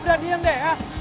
udah diam deh ya